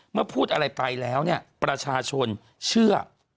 เมื่อพูดอะไรไปแล้วนี่ประชาชนเชื่อ